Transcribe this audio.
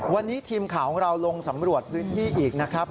วันนี้ทีมข่าวของเราลงสำรวจพื้นที่อีกนะครับ